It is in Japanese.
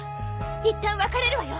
いったん別れるわよ。